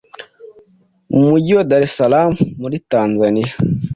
mu Mujyi wa Dar es Salaam muri Tanzania.